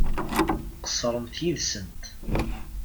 Qeṣṣremt yid-sent.